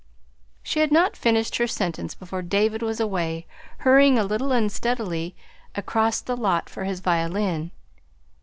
She had not finished her sentence before David was away, hurrying a little unsteadily across the lot for his violin.